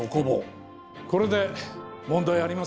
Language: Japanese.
これで問題ありませんね？